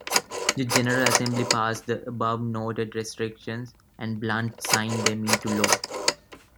The General Assembly passed the above-noted restrictions, and Blunt signed them into law.